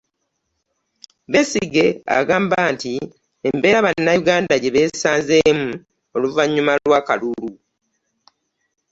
Besigye agamba nti embeera Bannayuganda gye beesanzeemu oluvannyuma lw'akalulu